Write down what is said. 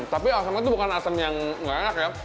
tapi asamnya itu bukan asam yang enggak enak ya